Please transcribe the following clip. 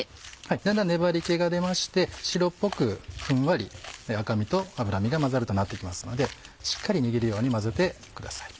だんだん粘り気が出まして白っぽくふんわり赤身と脂身が混ざって来ますのでしっかり握るように混ぜてください。